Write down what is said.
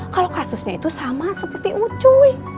kalau kasusnya itu sama seperti ucuy